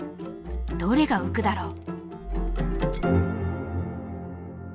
どれが浮くだろう？